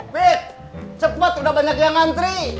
bek cepat udah banyak yang ngantri